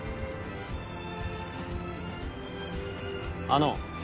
あの。